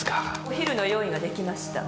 お昼の用意ができました。